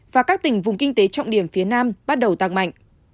và các tỉnh vùng kinh tế trọng điểm phía nam bắt đầu tăng mạnh